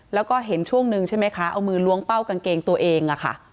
แล้วก็เห็นช่วงหนึ่งใช่ไหมคะเอามือล้วงเป้ากางเกงตัวเองอะค่ะ